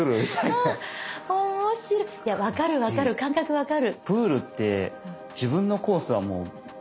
分かる分かる感覚分かる。